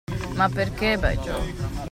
Ma perché, by Jove!